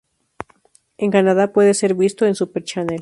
En Canadá, puede ser visto en Super Channel.